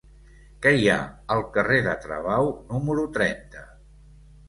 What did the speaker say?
Què hi ha al carrer de Travau número trenta?